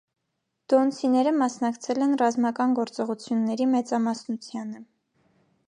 Դոնցիները մասնակցել են ռազմական գործողությունների մեծամասնությանը։